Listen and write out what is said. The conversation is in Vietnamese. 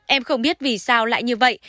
em không biết vì sao lại như vậy